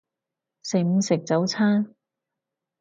食唔食早餐？